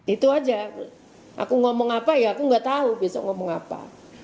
itu aja aku ngomong apa ya aku nggak tahu besok ngomong apa